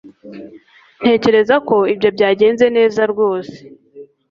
Ntekereza ko ibyo byagenze neza rwose